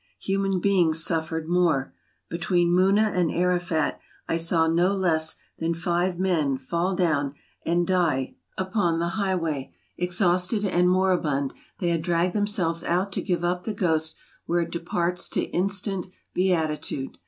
Human beings suffered more. Between Muna and Arafat I saw no less than five men fall down and die upon the high 250 TRAVELERS AND EXPLORERS way; exhausted and moribund, they had dragged them selves out to give up the ghost where it departs to instant beatitude.